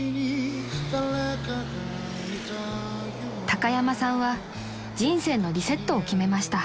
［高山さんは人生のリセットを決めました］